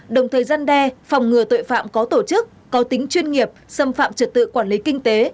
đồng thời gian đe phòng ngừa tội phạm có tổ chức có tính chuyên nghiệp xâm phạm trật tự quản lý kinh tế